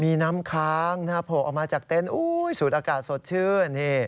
มีน้ำค้างโผล่ออกมาจากเต็นต์สูดอากาศสดชื่น